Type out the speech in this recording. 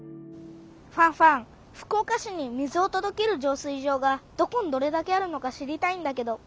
ファンファン福岡市に水をとどける浄水場がどこにどれだけあるのか知りたいんだけど。